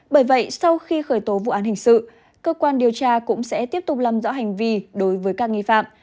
bởi vậy sau khi khởi tố vụ án hình sự cơ quan điều tra cũng sẽ tiếp tục làm rõ hành vi đối với các nghi phạm